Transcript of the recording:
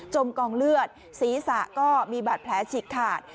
กองเลือดศีรษะก็มีบาดแผลฉีกขาด